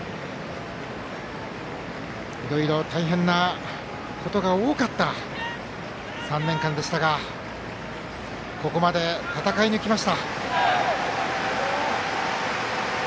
いろいろ大変なことが多かった３年間でしたがここまで戦い抜きました。